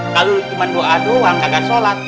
kalau cuma doa doang kagak sholat